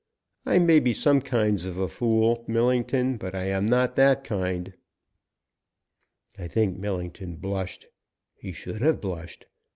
I may be some kinds of a fool, Millington, but I am not that kind!" I think Millington blushed. He should have blushed.